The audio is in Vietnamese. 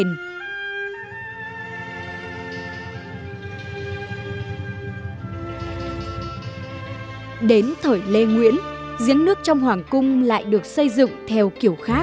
trong thời lê nguyễn diếng nước trong hoàng cung lại được xây dựng theo kiểu khác